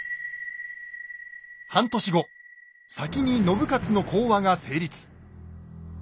半年後先に信雄の講和が成立。